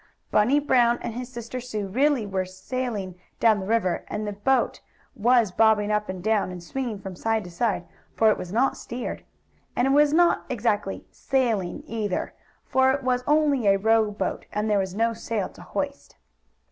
Bunny Brown and his sister Sue really were sailing down the river and the boat was bobbing up and down and swinging from side to side, for it was not steered. And it was not exactly "sailing" either, for it was only a row boat and there was no sail to hoist.